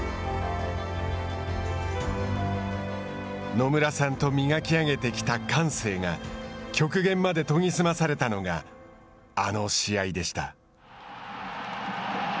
野村さんと磨き上げてきた感性が極限まで研ぎ澄まされたのがあの試合でした。